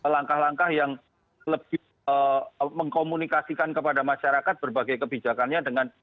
langkah langkah yang lebih mengkomunikasikan kepada masyarakat berbagai kebijakannya dengan